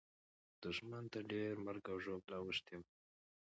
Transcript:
دښمن ته ډېره مرګ او ژوبله اوښتې وه.